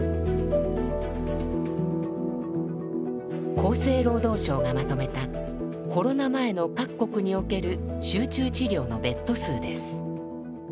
厚生労働省がまとめたコロナ前の各国における集中治療のベッド数です。